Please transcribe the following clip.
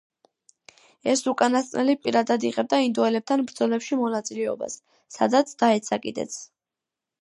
ეს უკანასკნელი პირადად იღებდა ინდოელებთან ბრძოლებში მონაწილეობას, სადაც დაეცა კიდეც.